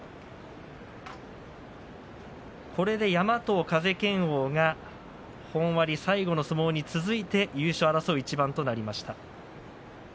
これで山藤、風賢央が本割最後の相撲に続いて優勝を争う一番になりました。